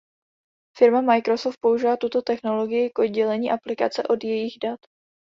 Firma Microsoft použila tuto technologii k oddělení aplikace od jejích dat.